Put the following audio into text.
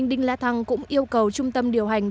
đinh la thăng cũng yêu cầu trung tâm điều hành